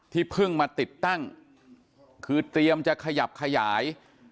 เพิ่งมาติดตั้งคือเตรียมจะขยับขยาย